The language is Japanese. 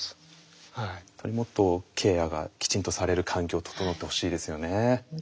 もっとケアがきちんとされる環境整ってほしいですよね。